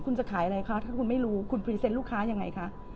คุณจะขายอะไรคะถ้าคุณไม่รู้คุณพรีเซนต์ลูกค้ายังไงคะ